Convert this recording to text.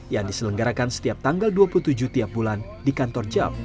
yang diselenggarakan setiap tanggal dua puluh tujuh tiap bulan di kantor jam